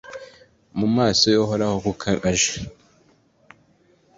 mu maso y’Uhoraho kuko aje